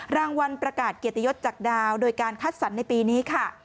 รางวัลประกาศเกียรติยศจากดาวโดยการคัดสรรในปีนี้ค่ะ